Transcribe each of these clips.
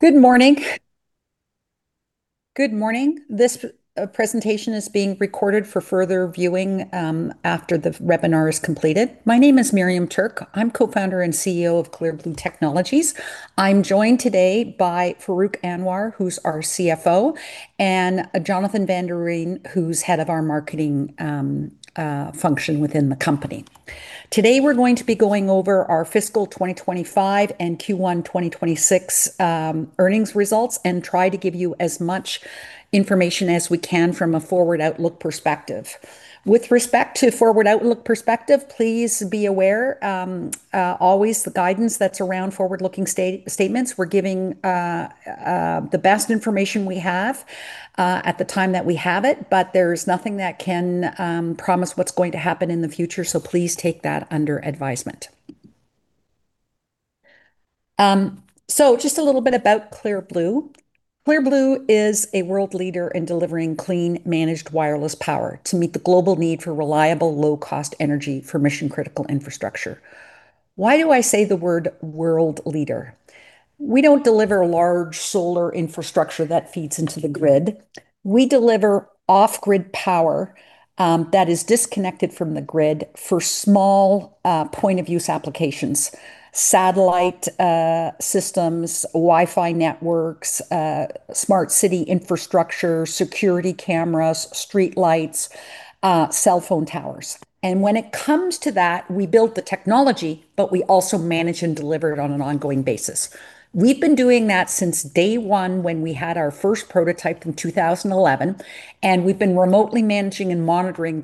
Good morning. This presentation is being recorded for further viewing after the webinar is completed. My name is Miriam Tuerk. I'm Co-Founder and Chief Executive Officer of Clear Blue Technologies. I'm joined today by Farrukh Anwar, who's our CFO, and Jonathan van der Veen, who's Head of Marketing function within the company. Today, we're going to be going over our FY 2025 and Q1 2026 earnings results and try to give you as much information as we can from a forward outlook perspective. With respect to forward outlook perspective, please be aware, always the guidance that's around forward-looking statements, we're giving the best information we have at the time that we have it, but there's nothing that can promise what's going to happen in the future. Please take that under advisement. Just a little bit about Clear Blue. Clear Blue is a world leader in delivering clean, managed wireless power to meet the global need for reliable, low-cost energy for mission-critical infrastructure. Why do I say the word world leader? We don't deliver large solar infrastructure that feeds into the grid. We deliver off-grid power that is disconnected from the grid for small point-of-use applications, satellite systems, Wi-Fi networks, smart city infrastructure, security cameras, streetlights, cellphone towers. When it comes to that, we build the technology, but we also manage and deliver it on an ongoing basis. We've been doing that since day one when we had our first prototype in 2011, and we've been remotely managing and monitoring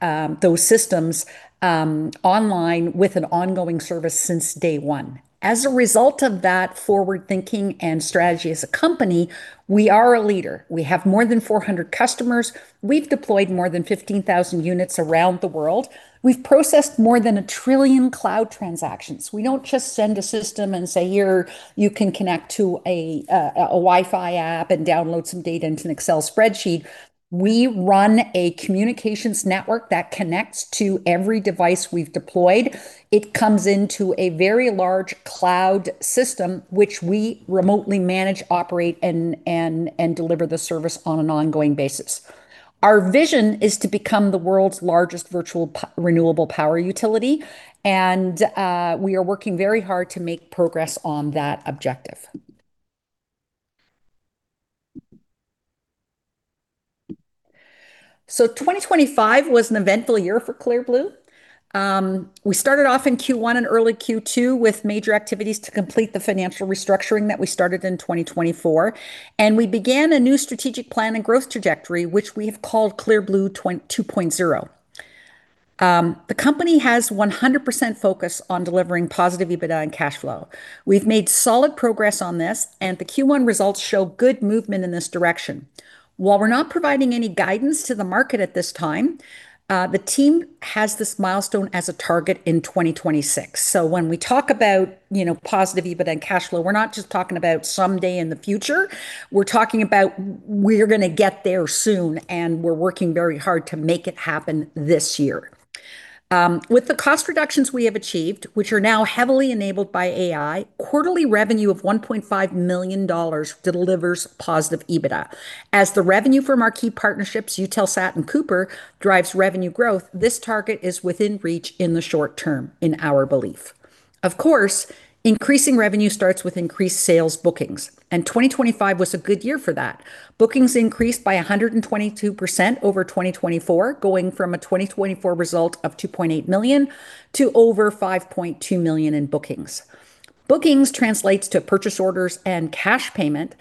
those systems online with an ongoing service since day one. As a result of that forward-thinking and strategy as a company, we are a leader. We have more than 400 customers. We've deployed more than 15,000 units around the world. We've processed more than a trillion cloud transactions. We don't just send a system and say, "Here, you can connect to a Wi-Fi app and download some data into an Excel spreadsheet." We run a communications network that connects to every device we've deployed. It comes into a very large cloud system, which we remotely manage, operate, and deliver the service on an ongoing basis. Our vision is to become the world's largest virtual renewable power utility, we are working very hard to make progress on that objective. 2025 was an eventful year for Clear Blue. We started off in Q1 and early Q2 with major activities to complete the financial restructuring that we started in 2024. We began a new strategic plan and growth trajectory, which we have called Clear Blue 2.0. The company has 100% focus on delivering positive EBITDA and cash flow. We've made solid progress on this, the Q1 results show good movement in this direction. While we're not providing any guidance to the market at this time, the team has this milestone as a target in 2026. When we talk about positive EBITDA and cash flow, we're not just talking about someday in the future, we're talking about we're going to get there soon, we're working very hard to make it happen this year. With the cost reductions we have achieved, which are now heavily enabled by AI, quarterly revenue of 1.5 million dollars delivers positive EBITDA. As the revenue from our key partnerships, Eutelsat and Cooper, drives revenue growth, this target is within reach in the short term, in our belief. Of course, increasing revenue starts with increased sales bookings. 2025 was a good year for that. Bookings increased by 122% over 2024, going from a 2024 result of 2.8 million to over 5.2 million in bookings. Bookings translates to purchase orders and cash payment.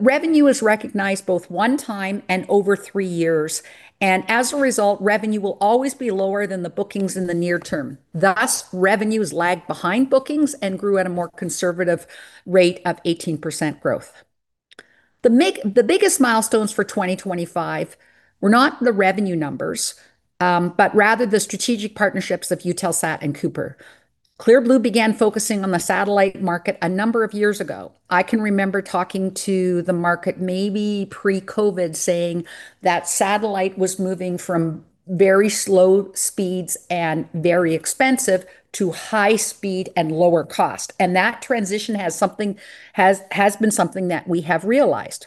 Revenue is recognized both one time and over three years. As a result, revenue will always be lower than the bookings in the near term. Thus, revenues lagged behind bookings and grew at a more conservative rate of 18% growth. The biggest milestones for 2025 were not the revenue numbers, but rather the strategic partnerships of Eutelsat and Cooper. Clear Blue began focusing on the satellite market a number of years ago. I can remember talking to the market maybe pre-COVID, saying that satellite was moving from very slow speeds and very expensive to high speed and lower cost. That transition has been something that we have realized.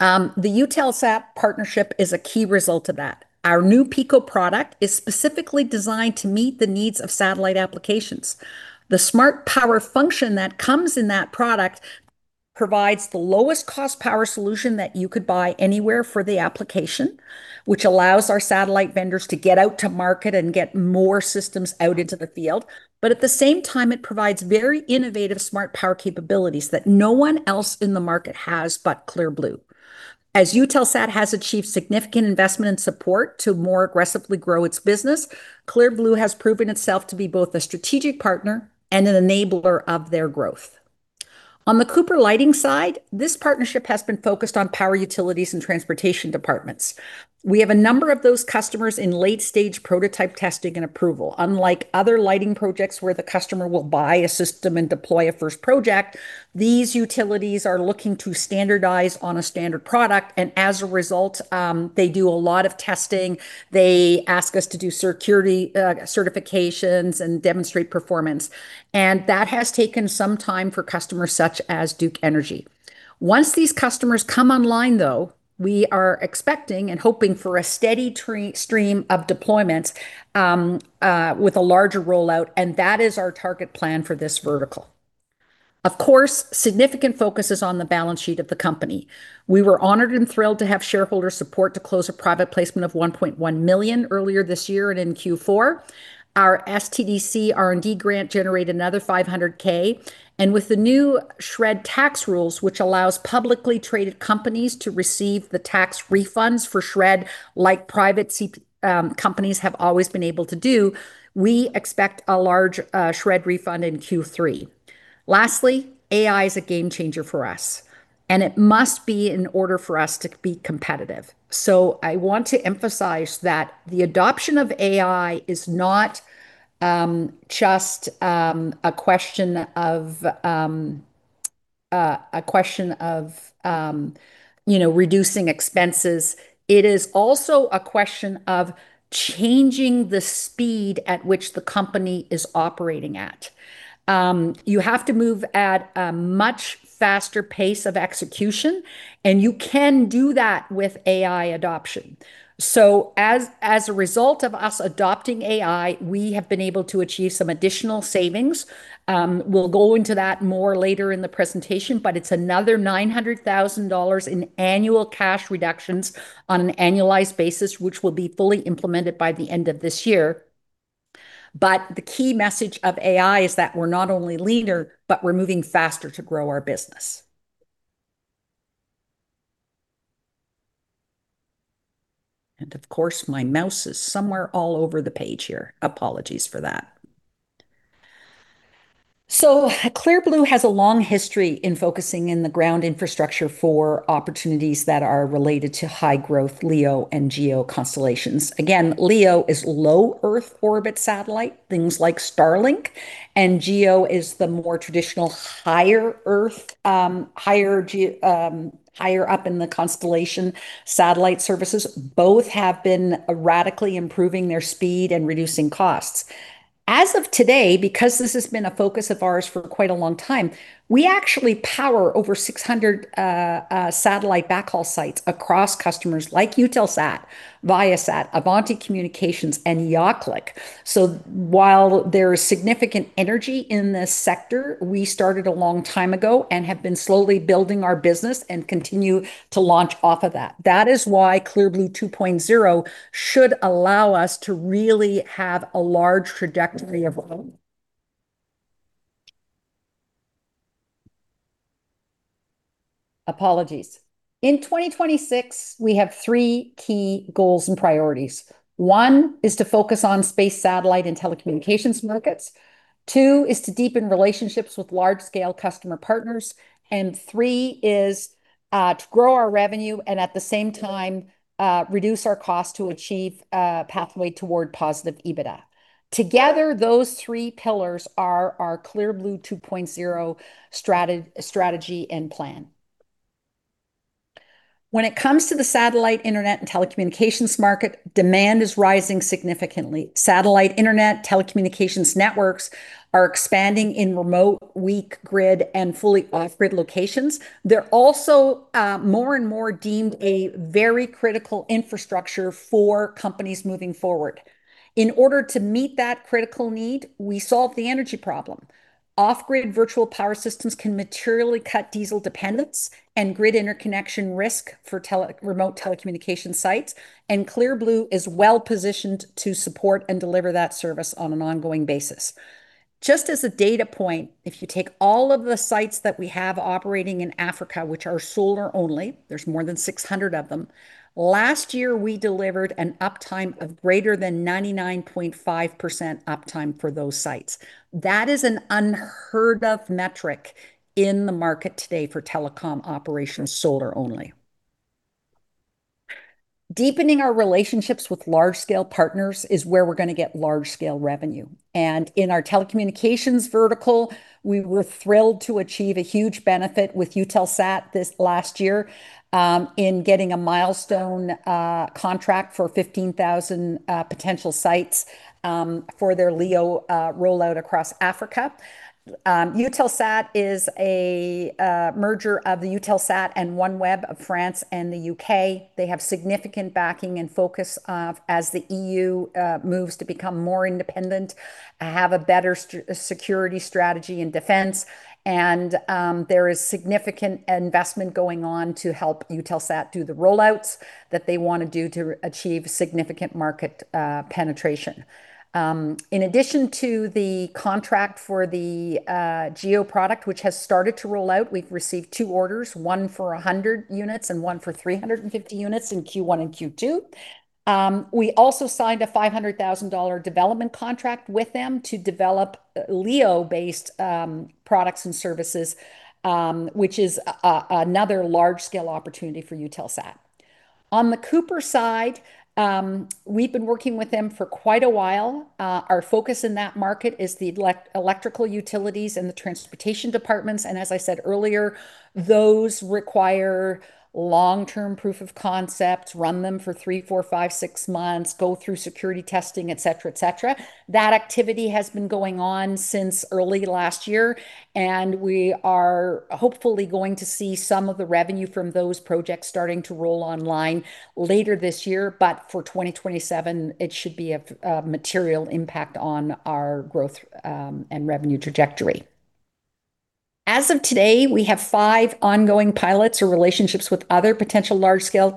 The Eutelsat partnership is a key result of that. Our new Pico product is specifically designed to meet the needs of satellite applications. The Smart Power function that comes in that product provides the lowest cost power solution that you could buy anywhere for the application, which allows our satellite vendors to get out to market and get more systems out into the field. At the same time, it provides very innovative Smart Power capabilities that no one else in the market has but Clear Blue. As Eutelsat has achieved significant investment and support to more aggressively grow its business, Clear Blue has proven itself to be both a strategic partner and an enabler of their growth. On the Cooper Lighting side, this partnership has been focused on power utilities and transportation departments. We have a number of those customers in late-stage prototype testing and approval. Unlike other lighting projects where the customer will buy a system and deploy a first project, these utilities are looking to standardize on a standard product. As a result, they do a lot of testing. They ask us to do certifications and demonstrate performance. That has taken some time for customers such as Duke Energy. Once these customers come online, though, we are expecting and hoping for a steady stream of deployments, with a larger rollout. That is our target plan for this vertical. Of course, significant focus is on the balance sheet of the company. We were honored and thrilled to have shareholder support to close a private placement of 1.1 million earlier this year in Q4. Our SDTC R&D grant generated another 500K. With the new SR&ED tax rules, which allows publicly traded companies to receive the tax refunds for SR&ED, like private companies have always been able to do, we expect a large SR&ED refund in Q3. Lastly, AI is a game changer for us. It must be in order for us to be competitive. I want to emphasize that the adoption of AI is not just a question of reducing expenses. It is also a question of changing the speed at which the company is operating at. You have to move at a much faster pace of execution. You can do that with AI adoption. As a result of us adopting AI, we have been able to achieve some additional savings. We'll go into that more later in the presentation, it's another 900,000 dollars in annual cash reductions on an annualized basis, which will be fully implemented by the end of this year. The key message of AI is that we're not only leaner, but we're moving faster to grow our business. Of course, my mouse is somewhere all over the page here. Apologies for that. Clear Blue has a long history in focusing in the ground infrastructure for opportunities that are related to high growth LEO and GEO constellations. Again, LEO is low Earth orbit satellite, things like Starlink, and GEO is the more traditional higher up in the constellation satellite services. Both have been radically improving their speed and reducing costs. As of today, because this has been a focus of ours for quite a long time, we actually power over 600 satellite backhaul sites across customers like Eutelsat, Viasat, Avanti Communications, and YahClick. While there is significant energy in this sector, we started a long time ago and have been slowly building our business and continue to launch off of that. That is why Clear Blue 2.0 should allow us to really have a large trajectory. Apologies. In 2026, we have three key goals and priorities. One is to focus on space satellite and telecommunications markets. Two is to deepen relationships with large-scale customer partners, and three is to grow our revenue and at the same time, reduce our cost to achieve a pathway toward positive EBITDA. Together, those three pillars are our Clear Blue 2.0 strategy and plan. When it comes to the satellite internet and telecommunications market, demand is rising significantly. Satellite internet, telecommunications networks are expanding in remote, weak grid, and fully off-grid locations. They're also more and more deemed a very critical infrastructure for companies moving forward. In order to meet that critical need, we solve the energy problem. Off-grid virtual power systems can materially cut diesel dependence and grid interconnection risk for remote telecommunication sites, and Clear Blue is well-positioned to support and deliver that service on an ongoing basis. Just as a data point, if you take all of the sites that we have operating in Africa, which are solar only, there's more than 600 of them. Last year, we delivered an uptime of greater than 99.5% uptime for those sites. That is an unheard-of metric in the market today for telecom operations solar only. Deepening our relationships with large-scale partners is where we're going to get large-scale revenue. In our telecommunications vertical, we were thrilled to achieve a huge benefit with Eutelsat this last year in getting a milestone contract for 15,000 potential sites for their LEO rollout across Africa. Eutelsat is a merger of the Eutelsat and OneWeb of France and the U.K. They have significant backing and focus as the EU moves to become more independent, have a better security strategy and defense, there is significant investment going on to help Eutelsat do the rollouts that they want to do to achieve significant market penetration. In addition to the contract for the GEO product, which has started to roll out, we've received two orders, one for 100 units and one for 350 units in Q1 and Q2. We also signed a 500,000 dollar development contract with them to develop LEO-based products and services, which is another large-scale opportunity for Eutelsat. On the Cooper side, we've been working with them for quite a while. Our focus in that market is the electrical utilities and the transportation departments. As I said earlier, those require long-term proof of concepts, run them for three, four, five, six months, go through security testing, et cetera. That activity has been going on since early last year, and we are hopefully going to see some of the revenue from those projects starting to roll online later this year. For 2027, it should be a material impact on our growth and revenue trajectory. As of today, we have five ongoing pilots or relationships with other potential large-scale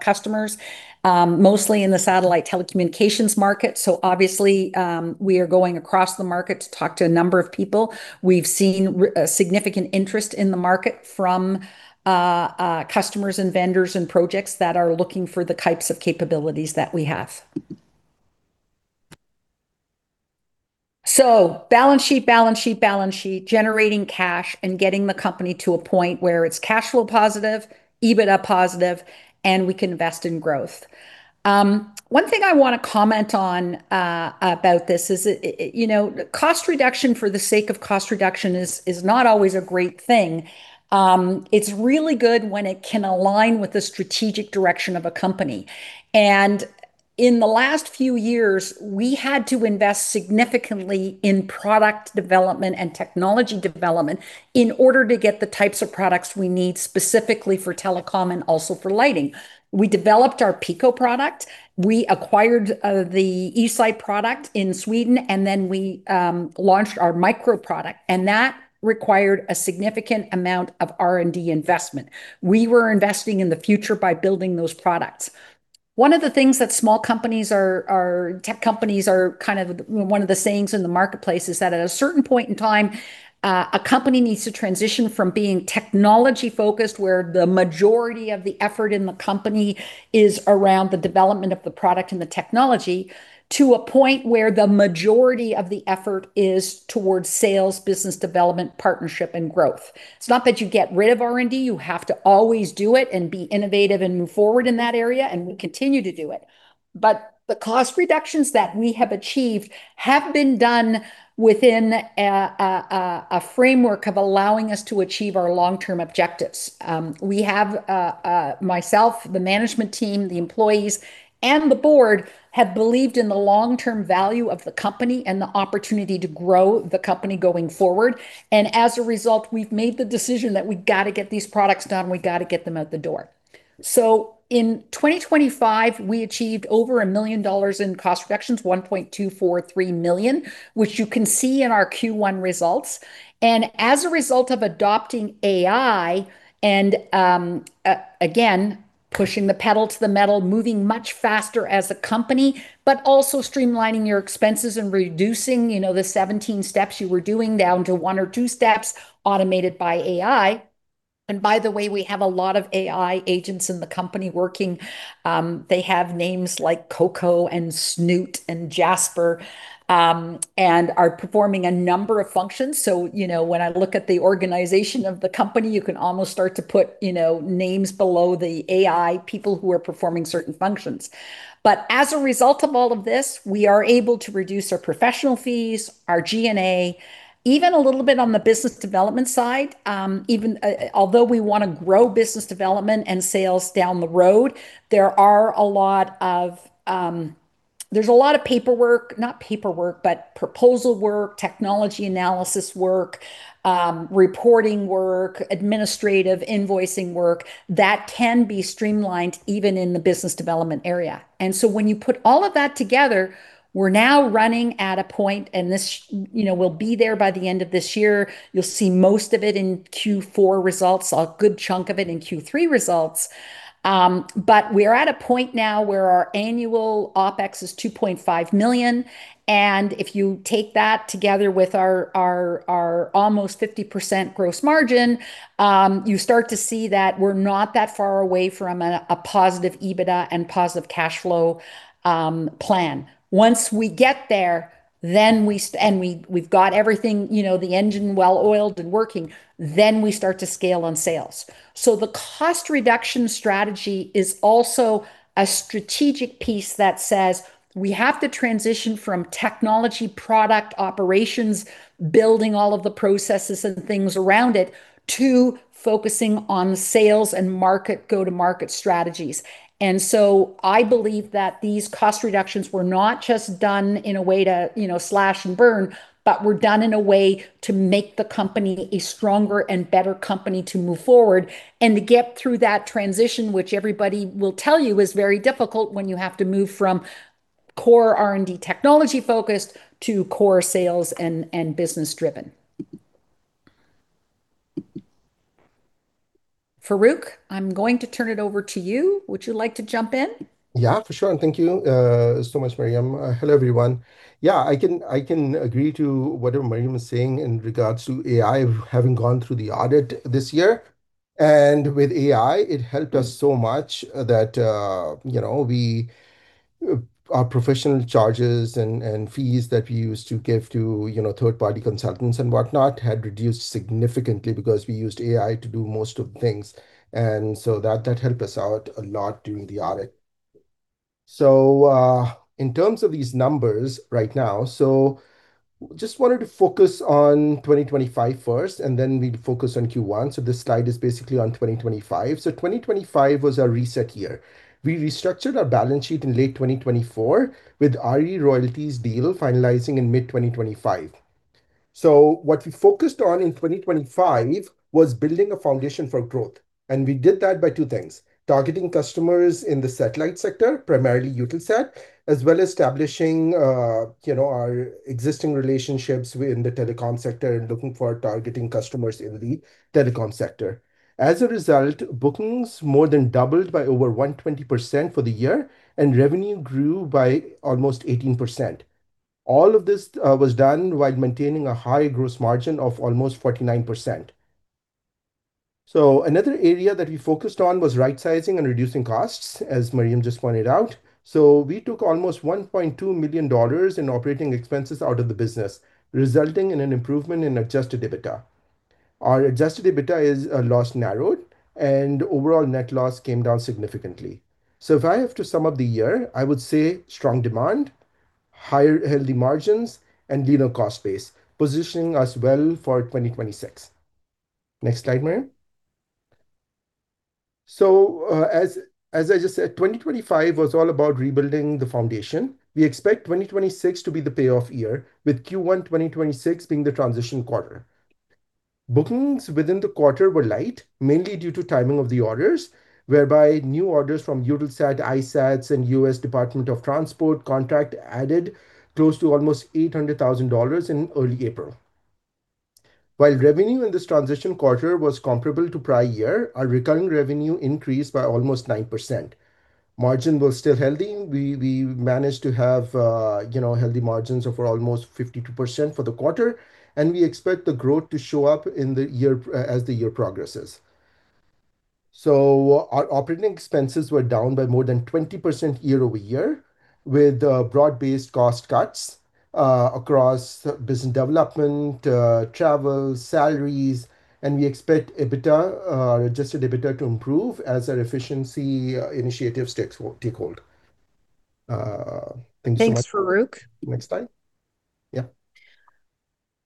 customers, mostly in the satellite telecommunications market. Obviously, we are going across the market to talk to a number of people. We've seen significant interest in the market from customers and vendors and projects that are looking for the types of capabilities that we have. Balance sheet, balance sheet, balance sheet, generating cash and getting the company to a point where it's cash flow positive, EBITDA positive, and we can invest in growth. One thing I want to comment on about this is cost reduction for the sake of cost reduction is not always a great thing. It's really good when it can align with the strategic direction of a company. In the last few years, we had to invest significantly in product development and technology development in order to get the types of products we need, specifically for telecom and also for lighting. We developed our Pico product, we acquired the eSite product in Sweden, then we launched our Micro product, and that required a significant amount of R&D investment. We were investing in the future by building those products. One of the things that small tech companies, one of the sayings in the marketplace is that at a certain point in time, a company needs to transition from being technology-focused, where the majority of the effort in the company is around the development of the product and the technology, to a point where the majority of the effort is towards sales, business development, partnership, and growth. It's not that you get rid of R&D. You have to always do it and be innovative and move forward in that area, and we continue to do it. The cost reductions that we have achieved have been done within a framework of allowing us to achieve our long-term objectives. We have, myself, the management team, the employees, and the board have believed in the long-term value of the company and the opportunity to grow the company going forward. As a result, we've made the decision that we've got to get these products done. We've got to get them out the door. In 2025, we achieved over 1 million dollars in cost reductions, 1.243 million, which you can see in our Q1 results. As a result of adopting AI and, again, pushing the pedal to the metal, moving much faster as a company, but also streamlining your expenses and reducing the 17 steps you were doing down to one or two steps automated by AI. By the way, we have a lot of AI agents in the company working. They have names like Coco and Snoot and Jasper, and are performing a number of functions. When I look at the organization of the company, you can almost start to put names below the AI people who are performing certain functions. As a result of all of this, we are able to reduce our professional fees, our G&A, even a little bit on the business development side. Although we want to grow business development and sales down the road, there's a lot of proposal work, technology analysis work, reporting work, administrative invoicing work that can be streamlined even in the business development area. When you put all of that together, we're now running at a point, and we'll be there by the end of this year. You'll see most of it in Q4 results, a good chunk of it in Q3 results. We're at a point now where our annual OpEx is 2.5 million, and if you take that together with our almost 50% gross margin, you start to see that we're not that far away from a positive EBITDA and positive cash flow plan. Once we get there and we've got everything, the engine well-oiled and working, then we start to scale on sales. The cost reduction strategy is also a strategic piece that says we have to transition from technology, product, operations, building all of the processes and things around it, to focusing on sales and go-to-market strategies. I believe that these cost reductions were not just done in a way to slash and burn, but were done in a way to make the company a stronger and better company to move forward and to get through that transition, which everybody will tell you is very difficult when you have to move from core R&D technology-focused to core sales and business-driven. Farrukh, I'm going to turn it over to you. Would you like to jump in? Yeah, for sure. Thank you so much, Miriam. Hello, everyone. Yeah, I can agree to whatever Miriam is saying in regards to AI, having gone through the audit this year. With AI, it helped us so much that our professional charges and fees that we used to give to third-party consultants and whatnot had reduced significantly because we used AI to do most of the things. That helped us out a lot during the audit. In terms of these numbers right now, just wanted to focus on 2025 first, and then we'd focus on Q1. This slide is basically on 2025. 2025 was our reset year. We restructured our balance sheet in late 2024 with our RE Royalties deal finalizing in mid-2025. What we focused on in 2025 was building a foundation for growth, and we did that by two things: targeting customers in the satellite sector, primarily Eutelsat, as well as establishing our existing relationships within the telecom sector and looking for targeting customers in the telecom sector. As a result, bookings more than doubled by over 120% for the year, and revenue grew by almost 18%. All of this was done while maintaining a high gross margin of almost 49%. Another area that we focused on was rightsizing and reducing costs, as Miriam just pointed out. We took almost 1.2 million dollars in operating expenses out of the business, resulting in an improvement in adjusted EBITDA. Our adjusted EBITDA is a loss narrowed, and overall net loss came down significantly. If I have to sum up the year, I would say strong demand, healthy margins, and leaner cost base, positioning us well for 2026. Next slide, Miriam. As I just said, 2025 was all about rebuilding the foundation. We expect 2026 to be the payoff year, with Q1 2026 being the transition quarter. Bookings within the quarter were light, mainly due to timing of the orders, whereby new orders from Eutelsat, iSAT, and U.S. Department of Transport contract added close to almost 800,000 dollars in early April. While revenue in this transition quarter was comparable to prior year, our recurring revenue increased by almost 9%. Margin was still healthy. We managed to have healthy margins of almost 52% for the quarter, and we expect the growth to show up as the year progresses. Our operating expenses were down by more than 20% year-over-year with broad-based cost cuts across business development, travel, salaries, and we expect adjusted EBITDA to improve as our efficiency initiatives take hold. Thank you so much. Thanks, Farrukh.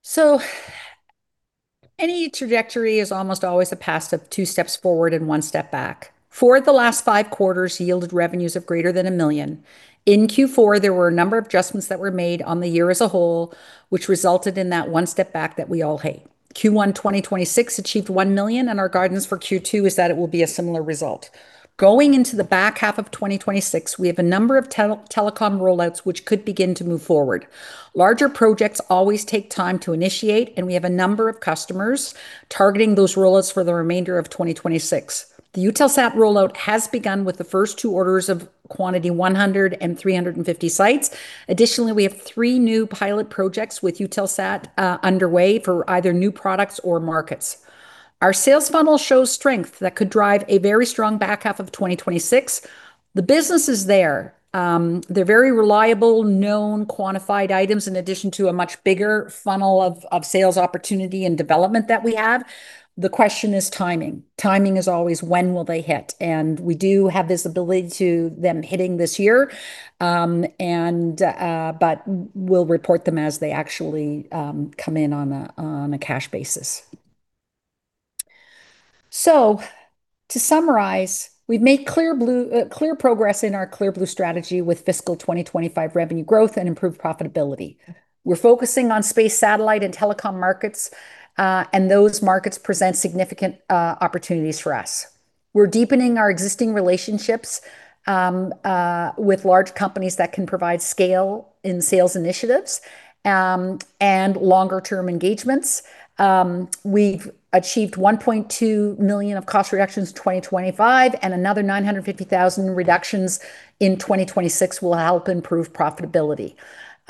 Next slide. Yeah. Any trajectory is almost always a path of two steps forward and one step back. Four of the last five quarters yielded revenues of greater than 1 million. In Q4, there were a number of adjustments that were made on the year as a whole, which resulted in that one step back that we all hate. Q1 2026 achieved 1 million, and our guidance for Q2 is that it will be a similar result. Going into the back half of 2026, we have a number of telecom rollouts which could begin to move forward. Larger projects always take time to initiate, and we have a number of customers targeting those rollouts for the remainder of 2026. The Eutelsat rollout has begun with the first two orders of quantity 100 and 350 sites. Additionally, we have three new pilot projects with Eutelsat underway for either new products or markets. Our sales funnel shows strength that could drive a very strong back half of 2026. The business is there. They're very reliable, known, quantified items in addition to a much bigger funnel of sales opportunity and development that we have. The question is timing. Timing is always when will they hit? We do have visibility to them hitting this year, but we'll report them as they actually come in on a cash basis. To summarize, we've made clear progress in our Clear Blue strategy with fiscal 2025 revenue growth and improved profitability. We're focusing on space satellite and telecom markets, and those markets present significant opportunities for us. We're deepening our existing relationships with large companies that can provide scale in sales initiatives, and longer-term engagements. We've achieved 1.2 million of cost reductions in 2025, and another 950,000 in reductions in 2026 will help improve profitability.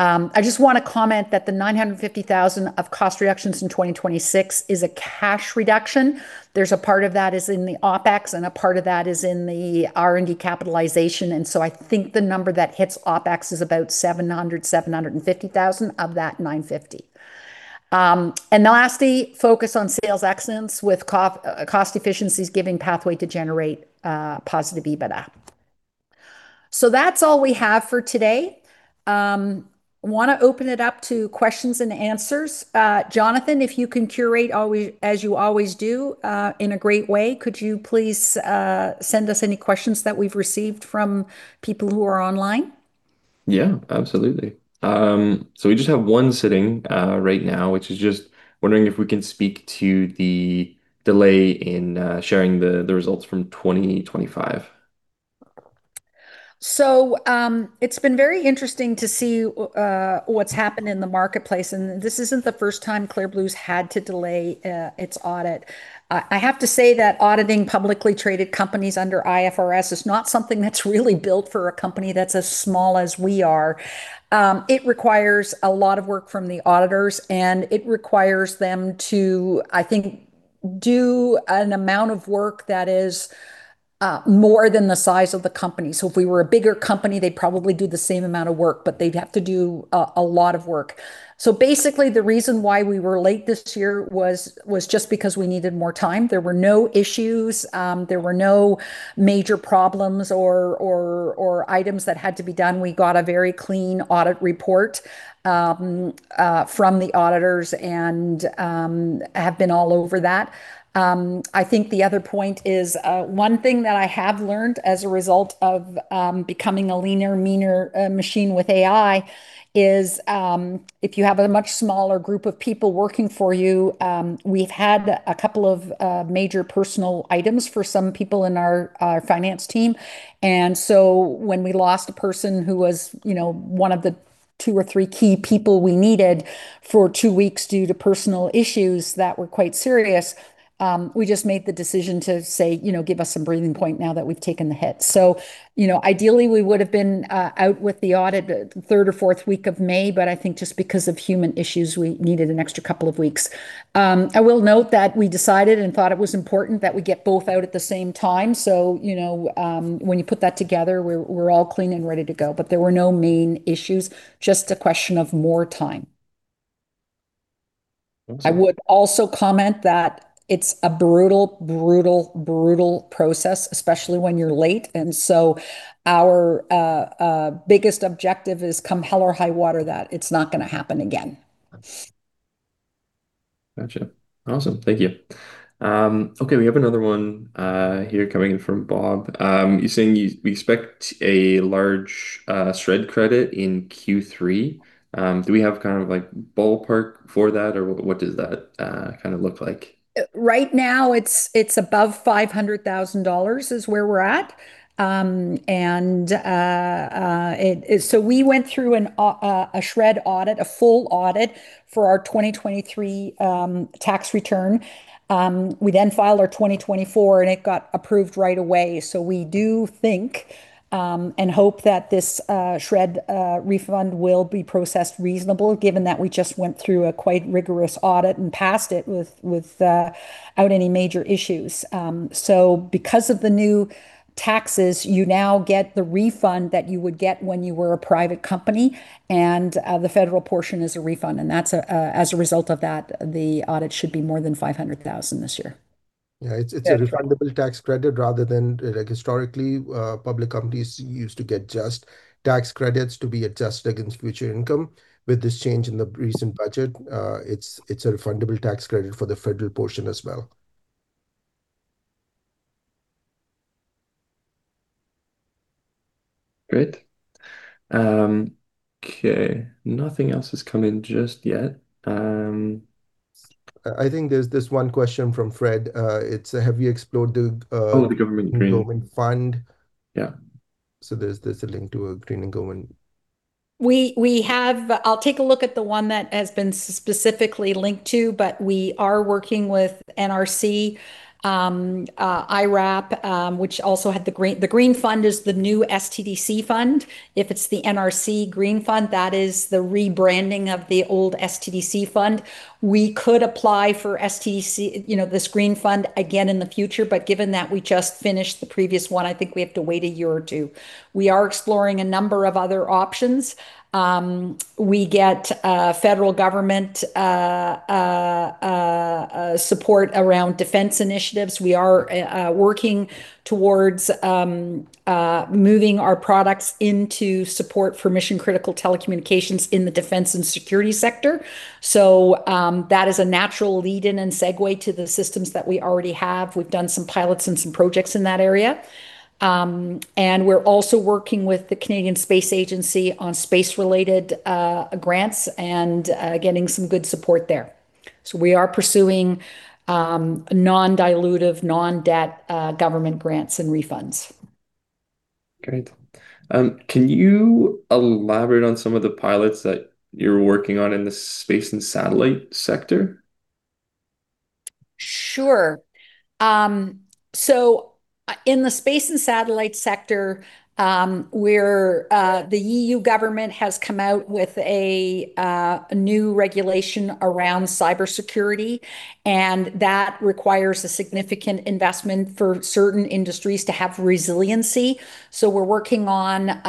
I just want to comment that the 950,000 of cost reductions in 2026 is a cash reduction. There's a part of that is in the OpEx, and a part of that is in the R&D capitalization. I think the number that hits OpEx is about 700,000, 750,000 of that 950. Lastly, focus on sales excellence with cost efficiencies giving pathway to generate positive EBITDA. That's all we have for today. Want to open it up to questions and answers. Jonathan, if you can curate as you always do in a great way, could you please send us any questions that we've received from people who are online? Yeah, absolutely. We just have one sitting right now, which is just wondering if we can speak to the delay in sharing the results from 2025. It's been very interesting to see what's happened in the marketplace, and this isn't the first time Clear Blue's had to delay its audit. I have to say that auditing publicly traded companies under IFRS is not something that's really built for a company that's as small as we are. It requires a lot of work from the auditors, and it requires them to, I think, do an amount of work that is more than the size of the company. If we were a bigger company, they'd probably do the same amount of work, but they'd have to do a lot of work. Basically, the reason why we were late this year was just because we needed more time. There were no issues. There were no major problems or items that had to be done. We got a very clean audit report from the auditors and have been all over that. I think the other point is, one thing that I have learned as a result of becoming a leaner, meaner machine with AI is, if you have a much smaller group of people working for you, we've had a couple of major personal items for some people in our finance team, and so when we lost a person who was one of the two or three key people we needed for two weeks due to personal issues that were quite serious, we just made the decision to say, "Give us some breathing point now that we've taken the hit." Ideally, we would've been out with the audit the third or fourth week of May, but I think just because of human issues, we needed an extra couple of weeks. I will note that we decided and thought it was important that we get both out at the same time. When you put that together, we're all clean and ready to go, but there were no main issues, just a question of more time. Okay. I would also comment that it's a brutal process, especially when you're late. Our biggest objective is come hell or high water, that it's not going to happen again. Got you. Awesome. Thank you. We have another one here coming in from Bob. He's saying, "We expect a large SR&ED credit in Q3. Do we have kind of like ballpark for that, or what does that kind of look like? Right now, it's above 500,000 dollars is where we're at. We went through a SR&ED audit, a full audit for our 2023 tax return. We then filed our 2024, and it got approved right away. We do think, and hope that this SR&ED refund will be processed reasonable given that we just went through a quite rigorous audit and passed it without any major issues. Because of the new taxes, you now get the refund that you would get when you were a private company, and the federal portion is a refund. As a result of that, the audit should be more than 500,000 this year. Yeah. It's a refundable tax credit rather than, historically, public companies used to get just tax credits to be adjusted against future income. With this change in the recent budget, it's a refundable tax credit for the federal portion as well. Great. Okay. Nothing else has come in just yet. I think there's this one question from Fred. It's, have you explored The government green. The government fund? Yeah. There is a link to a green and government. We have. I will take a look at the one that has been specifically linked to, but we are working with NRC, IRAP, which also had the Green Fund is the new SDTC Fund. If it is the NRC Green Fund, that is the rebranding of the old SDTC Fund. We could apply for this Green Fund again in the future, but given that we just finished the previous one, I think we have to wait a year or two. We are exploring a number of other options. We get federal government support around defense initiatives. We are working towards moving our products into support for mission-critical telecommunications in the defense and security sector. That is a natural lead in and segue to the systems that we already have. We have done some pilots and some projects in that area. We are also working with the Canadian Space Agency on space-related grants and getting some good support there. We are pursuing non-dilutive, non-debt government grants and refunds. Great. Can you elaborate on some of the pilots that you are working on in the space and satellite sector? Sure. In the space and satellite sector, where the EU government has come out with a new regulation around cybersecurity, that requires a significant investment for certain industries to have resiliency. We're working on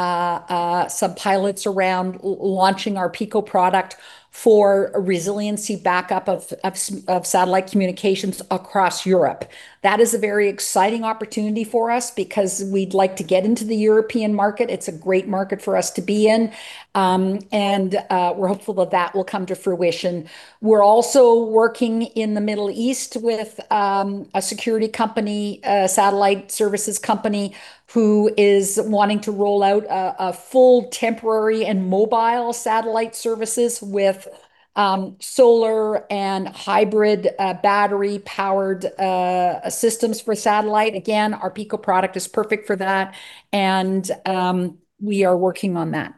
some pilots around launching our Pico product for a resiliency backup of satellite communications across Europe. That is a very exciting opportunity for us because we'd like to get into the European market. It's a great market for us to be in. We're hopeful that that will come to fruition. We're also working in the Middle East with a security company, a satellite services company, who is wanting to roll out a full temporary and mobile satellite services with solar and hybrid battery powered systems for satellite. Again, our Pico product is perfect for that, and we are working on that.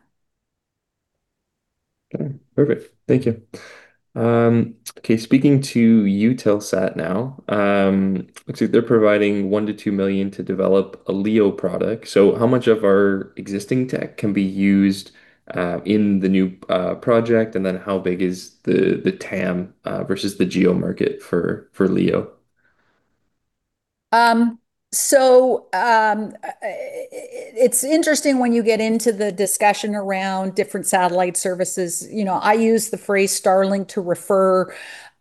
Okay. Perfect. Thank you. Okay, speaking to Eutelsat now, looks like they're providing 1 million to 2 million to develop a LEO product. How much of our existing tech can be used in the new project, and then how big is the TAM, versus the GEO market for LEO? It's interesting when you get into the discussion around different satellite services. I use the phrase Starlink to refer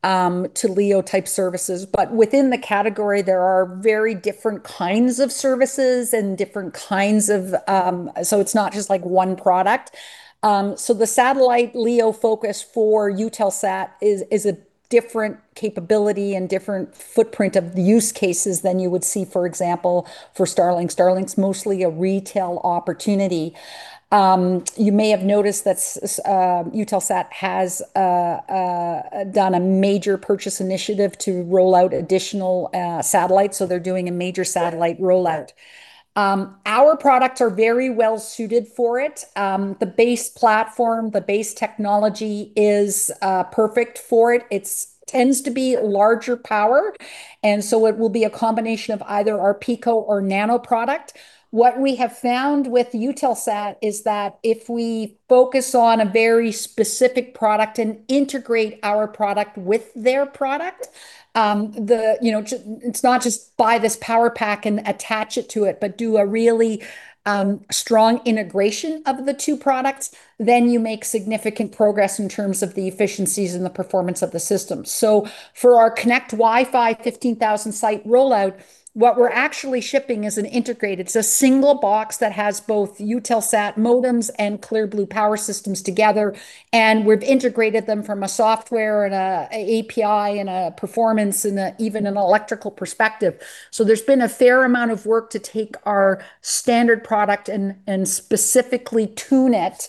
to LEO-type services. Within the category, there are very different kinds of services, it's not just one product. The satellite LEO focus for Eutelsat is a different capability and different footprint of the use cases than you would see, for example, for Starlink. Starlink's mostly a retail opportunity. You may have noticed that Eutelsat has done a major purchase initiative to roll out additional satellites, they're doing a major satellite rollout. Our products are very well-suited for it. The base platform, the base technology is perfect for it. It tends to be larger power, it will be a combination of either our Pico or Nano product. What we have found with Eutelsat is that if we focus on a very specific product and integrate our product with their product, it's not just buy this power pack and attach it to it, but do a really strong integration of the two products, then you make significant progress in terms of the efficiencies and the performance of the system. For our Konnect WiFi 15,000 site rollout, what we're actually shipping is an integrated, it's a single box that has both Eutelsat modems and Clear Blue power systems together, we've integrated them from a software and an API, a performance, even an electrical perspective. There's been a fair amount of work to take our standard product and specifically tune it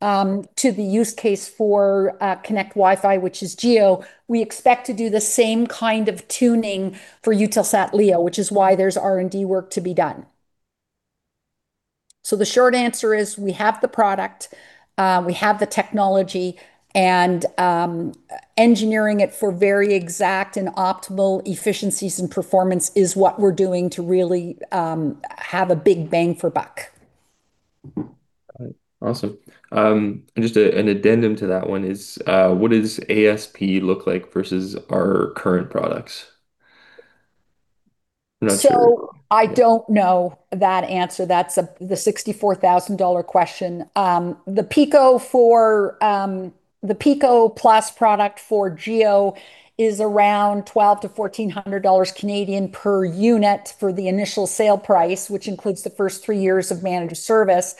to the use case for Konnect WiFi, which is GEO. We expect to do the same kind of tuning for Eutelsat LEO, which is why there's R&D work to be done. The short answer is we have the product, we have the technology, and engineering it for very exact and optimal efficiencies and performance is what we're doing to really have a big bang for buck. Got it. Awesome. Just an addendum to that one is, what does ASP look like versus our current products? I don't know that answer. That's the $64,000 question. The Pico Plus product for GEO is around 1,200-1,400 dollars per unit for the initial sale price, which includes the first three years of managed service.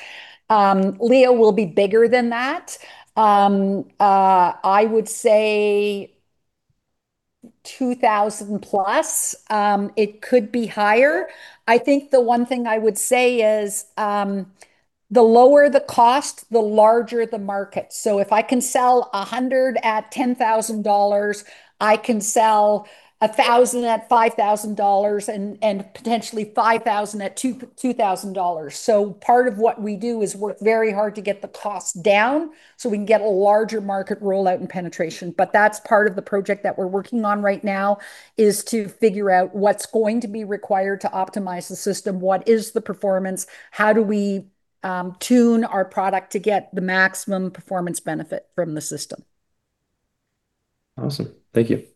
LEO will be bigger than that. I would say 2,000+. It could be higher. I think the one thing I would say is, the lower the cost, the larger the market. If I can sell 100 at 10,000 dollars, I can sell 1,000 at 5,000 dollars and potentially 5,000 at 2,000 dollars. Part of what we do is work very hard to get the cost down so we can get a larger market rollout and penetration. That's part of the project that we're working on right now, is to figure out what's going to be required to optimize the system, what is the performance, how do we tune our product to get the maximum performance benefit from the system. Thank you.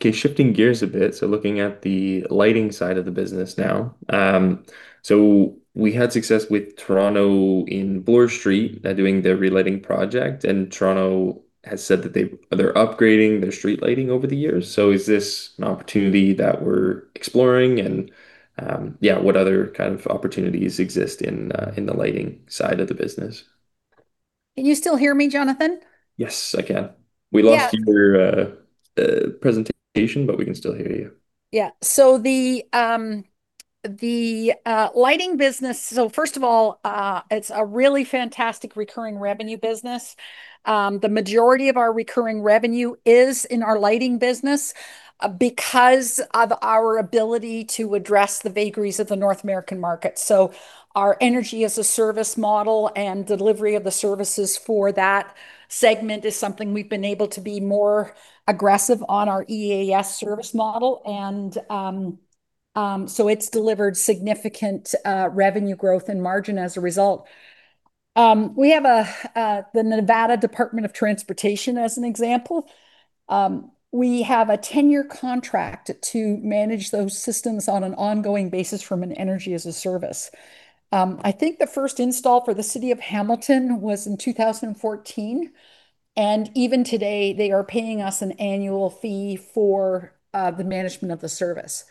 Shifting gears a bit, looking at the lighting side of the business now. We had success with Toronto in Bloor Street. They're doing their relighting project, and Toronto has said that they're upgrading their street lighting over the years. Is this an opportunity that we're exploring and, yeah, what other kind of opportunities exist in the lighting side of the business? Can you still hear me, Jonathan? Yes, I can. Yeah. We lost your presentation, but we can still hear you. The lighting business, first of all, it's a really fantastic recurring revenue business. The majority of our recurring revenue is in our lighting business because of our ability to address the vagaries of the North American market. Our Energy-as-a-Service model and delivery of the services for that segment is something we've been able to be more aggressive on our EAS service model. It's delivered significant revenue growth and margin as a result. We have the Nevada Department of Transportation as an example. We have a 10-year contract to manage those systems on an ongoing basis from an Energy-as-a-Service. I think the first install for the city of Hamilton was in 2014, and even today, they are paying us an annual fee for the management of the service.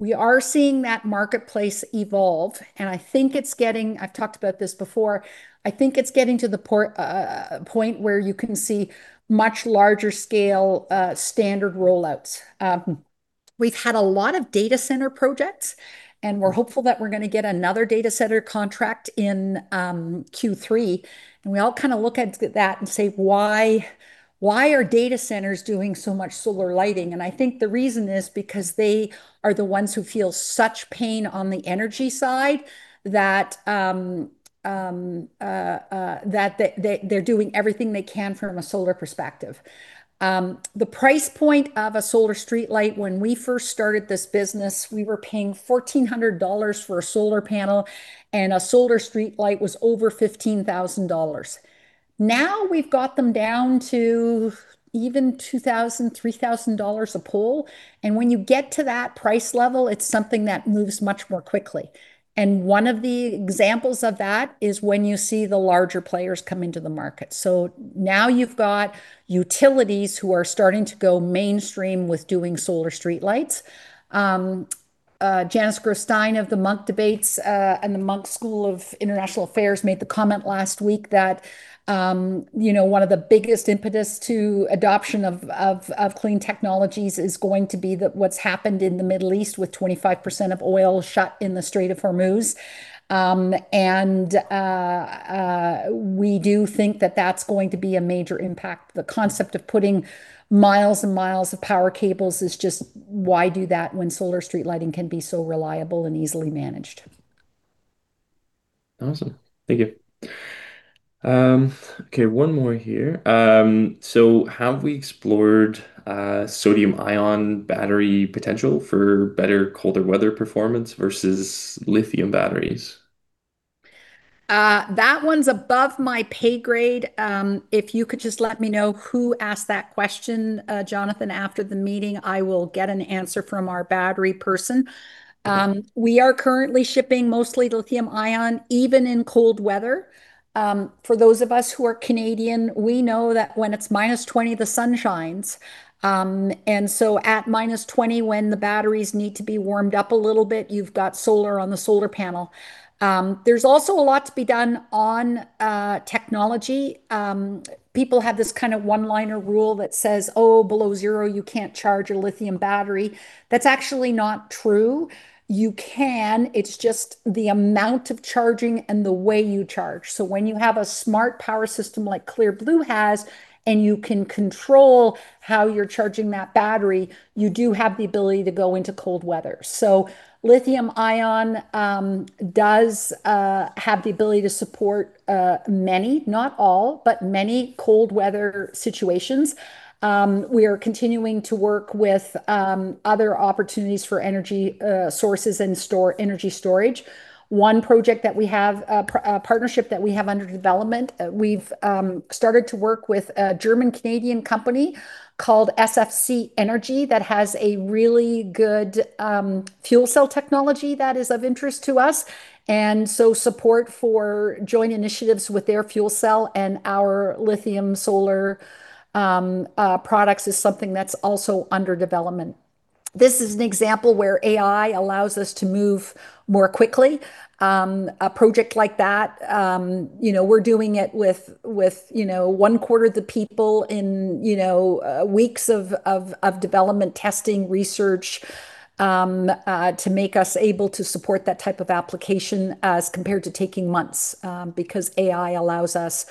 We are seeing that marketplace evolve, and I've talked about this before, I think it's getting to the point where you can see much larger scale standard roll-outs. We've had a lot of data center projects, and we're hopeful that we're going to get another data center contract in Q3. We all look at that and say, "Why are data centers doing so much solar lighting?" I think the reason is because they are the ones who feel such pain on the energy side that they're doing everything they can from a solar perspective. The price point of a solar streetlight, when we first started this business, we were paying 1,400 dollars for a solar panel, and a solar streetlight was over 15,000 dollars. Now we've got them down to even 2,000, 3,000 dollars a pole. When you get to that price level, it's something that moves much more quickly. One of the examples of that is when you see the larger players come into the market. Now you've got utilities who are starting to go mainstream with doing solar streetlights. Janice Gross Stein of the Munk Debates and the Munk School of Global Affairs & Public Policy made the comment last week that one of the biggest impetus to adoption of clean technologies is going to be what's happened in the Middle East with 25% of oil shut in the Strait of Hormuz. We do think that that's going to be a major impact. The concept of putting miles and miles of power cables is just why do that when solar street lighting can be so reliable and easily managed. Awesome. Thank you. One more here. Have we explored sodium ion battery potential for better colder weather performance versus lithium batteries? That one's above my pay grade. If you could just let me know who asked that question, Jonathan, after the meeting, I will get an answer from our battery person. Okay. We are currently shipping mostly lithium ion, even in cold weather. For those of us who are Canadian, we know that when it's -20, the sun shines. At -20, when the batteries need to be warmed up a little bit, you've got solar on the solar panel. There's also a lot to be done on technology. People have this one-liner rule that says, "Oh, below zero, you can't charge a lithium battery." That's actually not true. You can, it's just the amount of charging and the way you charge. When you have a Smart Power system like Clear Blue has, and you can control how you're charging that battery, you do have the ability to go into cold weather. Lithium ion does have the ability to support many, not all, but many cold weather situations. We are continuing to work with other opportunities for energy sources and energy storage. One project that we have, a partnership that we have under development, we've started to work with a German Canadian company called SFC Energy that has a really good fuel cell technology that is of interest to us. Support for joint initiatives with their fuel cell and our lithium solar products is something that's also under development. This is an example where AI allows us to move more quickly. A project like that, we're doing it with one quarter of the people in weeks of development testing, research, to make us able to support that type of application as compared to taking months, because AI allows us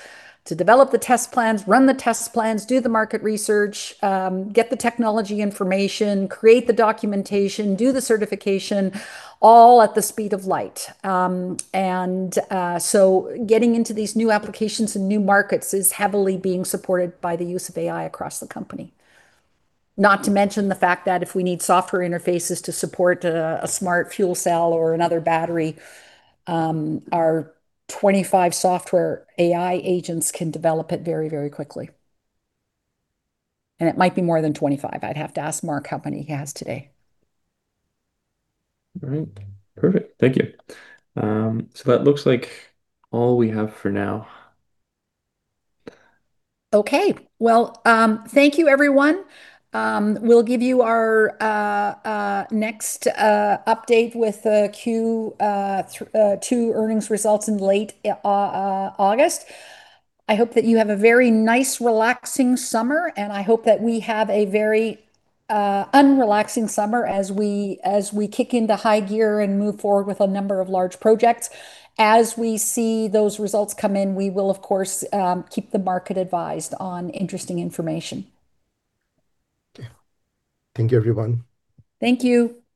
to develop the test plans, run the test plans, do the market research, get the technology information, create the documentation, do the certification, all at the speed of light. Getting into these new applications and new markets is heavily being supported by the use of AI across the company. Not to mention the fact that if we need software interfaces to support a smart fuel cell or another battery, our 25 software AI agents can develop it very quickly. It might be more than 25. I'd have to ask Mark how many he has today. All right. Perfect. Thank you. That looks like all we have for now. Okay. Well, thank you everyone. We'll give you our next update with the Q2 earnings results in late August. I hope that you have a very nice, relaxing summer, and I hope that we have a very unrelaxing summer as we kick into high gear and move forward with a number of large projects. As we see those results come in, we will of course keep the market advised on interesting information. Okay. Thank you everyone. Thank you. Bye